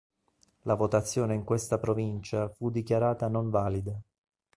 La votazione in questa provincia fu dichiarata non valida.